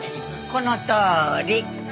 このとおり。